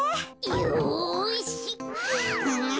よし！